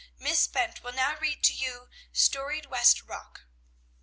Miss Bent will now read to you 'Storied West Rock!'"